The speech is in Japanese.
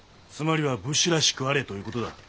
つまりは武士らしくあれという事だ。